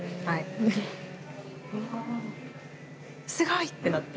「すごい！」ってなって。